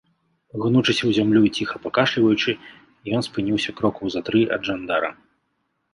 Гнучыся ў зямлю і ціха пакашліваючы, ён спыніўся крокаў за тры ад жандара.